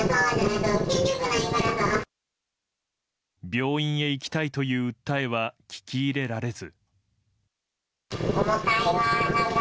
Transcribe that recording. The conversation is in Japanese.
病院へ行きたいという訴えは聞き入れられず。